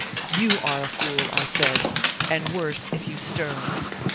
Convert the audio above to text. "YOU are a fool," I said " and worse, if you stir."